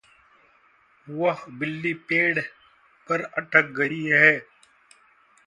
वह बिल्ली पेढ पर अटक गयी है।